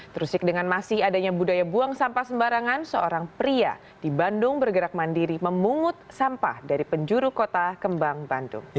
terusik dengan masih adanya budaya buang sampah sembarangan seorang pria di bandung bergerak mandiri memungut sampah dari penjuru kota kembang bandung